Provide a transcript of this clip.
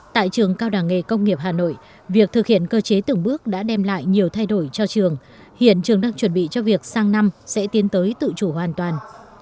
tại trường cao đẳng nghề công nghiệp hà nội việc thực hiện cơ chế tưởng bước đã đem lại nhiều thay đổi cho trường hiện trường đang chuẩn bị cho việc sang năm sẽ tiến tới tự chủ hoàn toàn